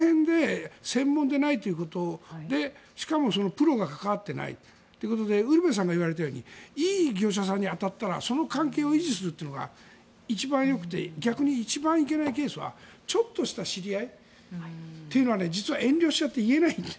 その辺で専門ではないということしかもプロが関わっていないということでウルヴェさんが言っていたようにいい業者さんに当たったらその関係を維持するのが一番よくて逆に一番いけないケースはちょっとした知り合いというのは遠慮しちゃって言えない。